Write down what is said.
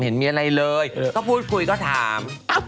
เห็นมีอะไรเลยเขาพูดคุยก็ถามอ้าว